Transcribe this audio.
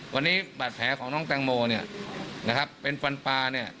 วันนี้บัตรแผลของน้องแตงโบเป็นฟันปลา